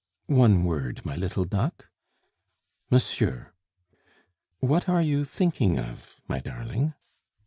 "One word, my little duck?" "Monsieur!" "What are you thinking of, my darling?"